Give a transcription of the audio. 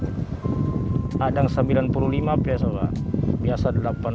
kadang sembilan puluh lima biasa delapan puluh dua biasa satu ratus dua